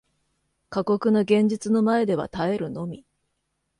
過酷な現実の前では耐えるのみ